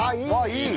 いい！